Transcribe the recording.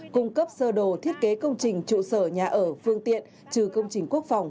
cung cấp sơ đồ thiết kế công trình trụ sở nhà ở phương tiện trừ công trình quốc phòng